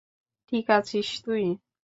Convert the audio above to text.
ঠিক আছিস তুই?